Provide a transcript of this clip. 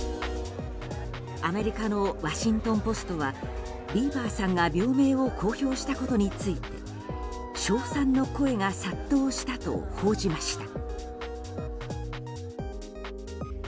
アメリカのワシントン・ポストはビーバーさんが病名を公表したことについて称賛の声が殺到したと報じました。